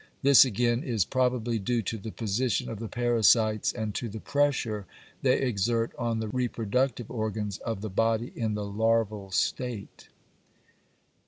This, again, is probably due to the position of the parasites and to the pressure they exert on the reproductive organs of the body in the larval state.